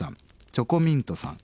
チョコミントさん